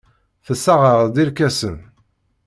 Tessaɣ-aɣ-d irkasen.